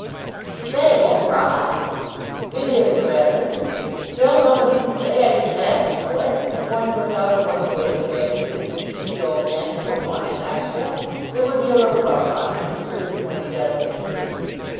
"I say, what rot!" "It is, rather. Still, nobody can say I didn't ask for it. If one goes out of one's way to beg and beseech the Old Man to put one in extra, it would be a little rough on him to curse him when he does it."